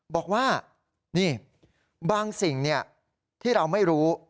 บอกว่านี่บางสิ่งที่เราไม่รู้